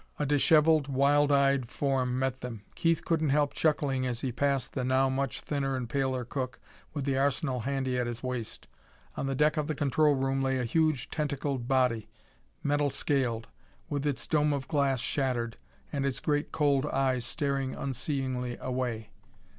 A disheveled, wild eyed form met them. Keith couldn't help chuckling as he passed the now much thinner and paler cook, with the arsenal handy at his waist. On the deck of the control room lay a huge tentacled body, metal scaled, with its dome of glass shattered and its great cold eyes staring unseeingly away.